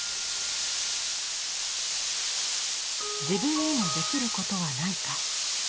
自分にもできることはないか。